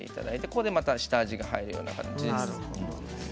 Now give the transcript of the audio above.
これで下味が入るような感じです。